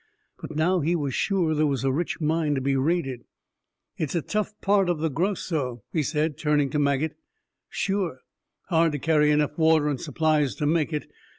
But now he was sure there was a rich mine to be raided. "It's a tough part of the Grosso," he said, turning to Maget. "Sure. Hard to carry enough water and supplies to make it.